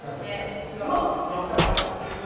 こちらの「ドクターマリオ」。